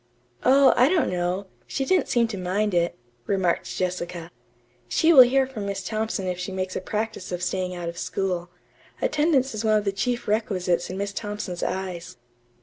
"Oh, I don't know. She didn't seem to mind it," remarked Jessica. "She will hear from Miss Thompson if she makes a practice of staying out of school. Attendance is one of the chief requisites in Miss Thompson's eyes."